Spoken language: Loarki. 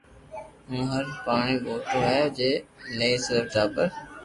ھين ھر ڀاتي موٽو ھي جي ۾ تين صرف ٽاٻر